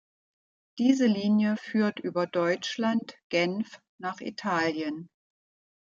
Diese Linie führt über Deutschland, Genf nach Italien.